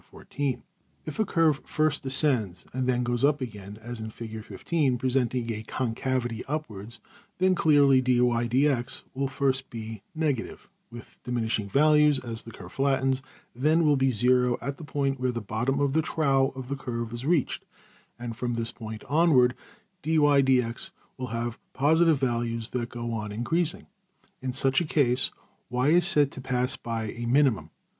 \Figures{093a}{093b} If a curve first descends, and then goes up again, as in \Fig, presenting a concavity upwards, then clearly $\dfrac{dy}{dx}$ will first be negative, with diminishing values as the curve flattens, then will be zero at the point where the bottom of the trough of the curve is reached; and from this point onward $\dfrac{dy}{dx}$ will have positive values that go on increasing. In such a case $y$~is said to pass by a \emph{minimum}.